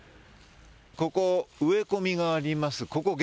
ここ植え込みがあります。